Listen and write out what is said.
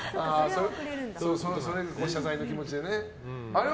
それは謝罪の気持ちでね。